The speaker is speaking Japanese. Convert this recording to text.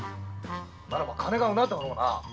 ならば金がうなっておろうな。